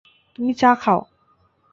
তুমি চা খাও।